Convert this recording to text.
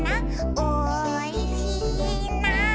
「おいしいな」